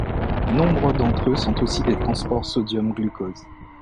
Nombres d'entre eux sont aussi des transports sodium glucose.